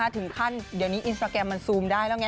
ถึงขั้นเดี๋ยวนี้อินสตราแกรมมันซูมได้แล้วไง